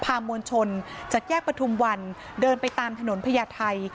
มวลชนจากแยกประทุมวันเดินไปตามถนนพญาไทย